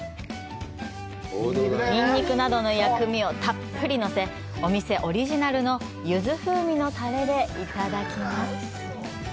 ニンニクなどの薬味をたっぷりのせ、お店オリジナルのゆず風味のタレでいただきます。